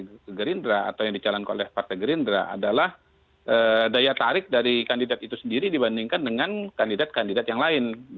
dari gerindra atau yang dicalon oleh partai gerindra adalah daya tarik dari kandidat itu sendiri dibandingkan dengan kandidat kandidat yang lain